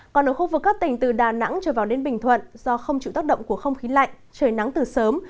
còn ở khu vực các tỉnh từ đà nẵng trở vào đến bình thuận do không chịu tác động của không khí lạnh trời nắng từ sớm